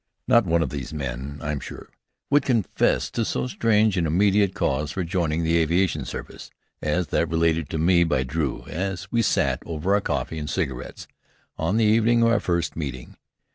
Not one of these men, I am sure, would confess to so strange an immediate cause for joining the aviation service, as that related to me by Drew, as we sat over our coffee and cigarettes, on the evening of our first meeting.